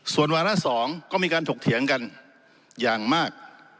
ส่วนวาระ๒ก็มีการถกเถียงกันอย่างมาก